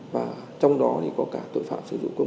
và trong đó thì có cả tội phạm sử dụng công